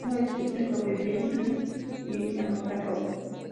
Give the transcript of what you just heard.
Una discusión sobreviene y ella mata a Rob.